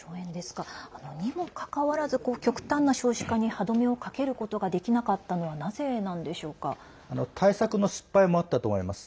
にもかかわらず極端な少子化に歯止めをかけることができなかったのは対策の失敗もあったと思います。